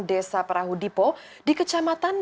desa perahu dipo di kecamatan